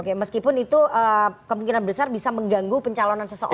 oke meskipun itu kemungkinan besar bisa mengganggu pencalonan seseorang